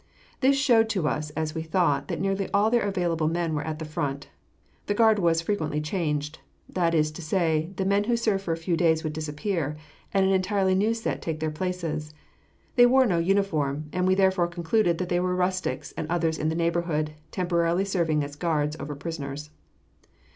This showed to us, as we thought, that nearly all their available men were at the front. The guard was frequently changed; that is to say, the men who served for a few days would disappear and an entirely new set take their places. They wore no uniform, and we therefore concluded that they were rustics and others in the neighborhood, temporarily serving as guards over the prisoners.